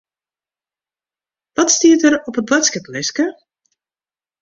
Wat stiet der op it boadskiplistke?